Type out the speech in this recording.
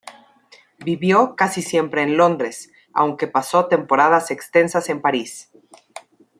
Vivió casi siempre en Londres, aunque pasó temporadas extensas en París.